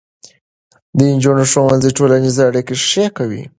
د نجونو ښوونځي ټولنیزې اړیکې ښې کوي.